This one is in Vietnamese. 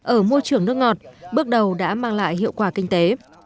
ở môi trường nước ngọt bước đầu đã mang lại hiệu quả kinh tế